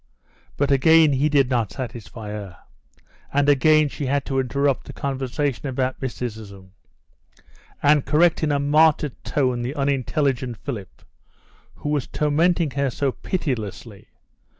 But again he did not satisfy her, and again she had to interrupt the conversation about mysticism, and correct in a martyred tone the unintelligent Philip, who was tormenting her so pitilessly.